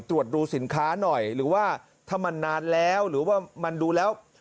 ตรวจดูสินค้าหน่อยหรือว่าถ้ามันนานแล้วหรือว่ามันดูแล้ว